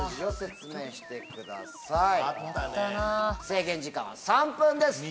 制限時間は３分です。